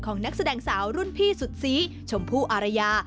นักแสดงสาวรุ่นพี่สุดสีชมพู่อารยา